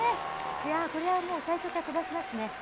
いやぁ、これはもう最初から飛ばしますね。